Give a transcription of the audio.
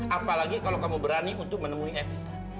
apalagi kalau kamu berani untuk menemui ed